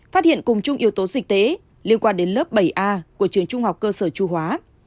phát hiện cùng chung yếu tố dịch tế liên quan đến lớp bảy a của trường trung học cơ sở chu hóa